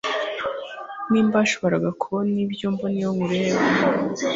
niba washoboraga kubona ibyo mbona iyo nkureba